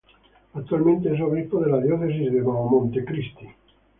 Actualmente es obispo de la Diócesis de Mao-Monte Cristi.